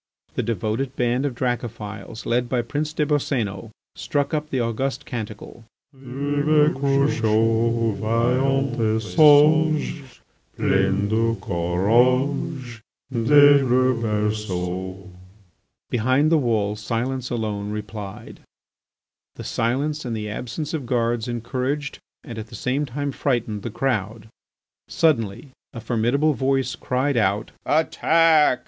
The devoted band of Dracophils, led by Prince des Boscénos, struck up the august canticle: Vive Crucho, Vaillant et sage, Plein de courage Des le berceau! Behind the wall silence alone replied. This silence and the absence of guards encouraged and at the same time frightened the crowd. Suddenly a formidable voice cried out: "Attack!"